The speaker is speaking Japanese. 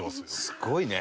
すごいね！